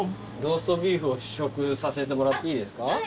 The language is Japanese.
ローストビーフを試食させてもらっていいですか？